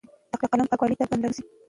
د قلم پاکوالۍ ته باید پاملرنه وشي.